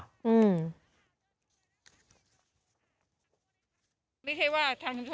ผมก็กรบไม่ยอมจะให้ทำยังไง